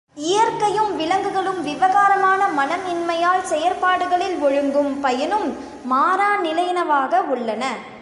இயற்கையும் விலங்குகளும் விவகாரமான மனம் இன்மையால் செயற்பாடுகளில் ஒழுங்கும் பயனும் மாறா நிலையினவாக உள்ளன.